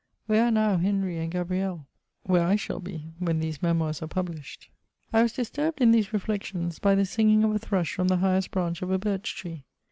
Where are now Henry and Gabrielle ? Where I shall be when these Memoirs are published ! I was disturbed in these reflexions by the singing of a thrush from the highest branch of a birch tree.